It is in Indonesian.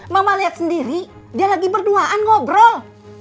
mama lihat sendiri dia lagi berduaan ngobrol